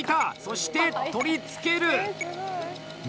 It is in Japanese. そして、取り付ける。